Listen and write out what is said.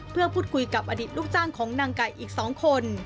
เพื่อพูดคุยกับอดีตลูกจ้างของนางไก่อีก๒คน